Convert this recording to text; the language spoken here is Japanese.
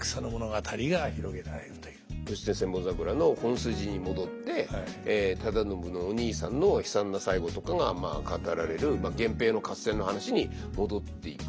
「義経千本桜」の本筋に戻って忠信のお兄さんの悲惨な最期とかがまあ語られる源平の合戦の話に戻っていく。